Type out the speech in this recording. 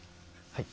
はい。